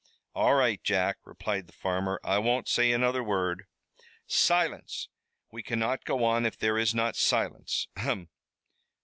"All right, Jack," replied the farmer. "I won't say another word." "Silence. We cannot go on if there is not silence. Ahem!